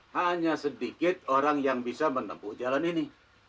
hanya sedikit orang yang bisa menempuh jalan ini